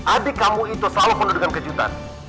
adik kamu itu selalu penuh dengan kejutan